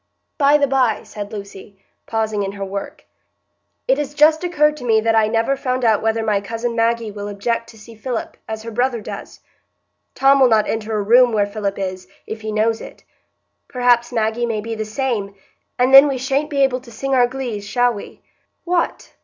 "By the by," said Lucy, pausing in her work, "it has just occurred to me that I never found out whether my cousin Maggie will object to see Philip, as her brother does. Tom will not enter a room where Philip is, if he knows it; perhaps Maggie may be the same, and then we sha'n't be able to sing our glees, shall we?" "What!